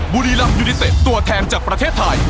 บุรีรำยูนิเต็ดตัวแทนจากประเทศไทย